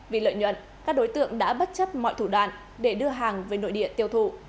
vì lợi nhuận các đối tượng đã bất chấp mọi thủ đoạn để đưa hàng về nội địa tiêu thụ